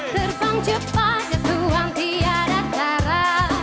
terbang cepat ya tuhan tiada cara